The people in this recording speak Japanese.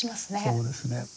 そうですね。